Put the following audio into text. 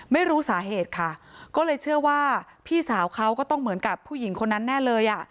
ไม่รู้สาเหตุค่ะก็เลยเชื่อว่าพี่สาวเขาก็ต้องเหมือนกับผู้หญิงคนนั้นแน่เลยอ่ะ